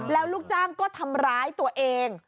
แล้วลูกจ้างก็ทำร้ายตัวเอง